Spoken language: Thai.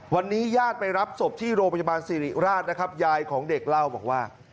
วันนี้ญาติไปรับศพที่โรงพยาบาลสิริราชนะครับยายของเด็กเล่าบอกว่า